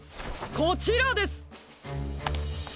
こちらです！